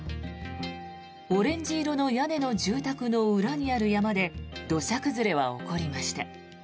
オレンジ色の屋根の住宅の裏にある山で土砂崩れは起こりました。